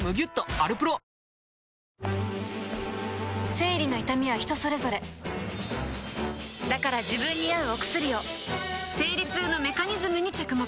生理の痛みは人それぞれだから自分に合うお薬を生理痛のメカニズムに着目